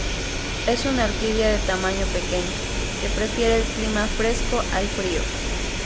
Es una orquídea de tamaño pequeño, que prefiere el clima fresco al frío.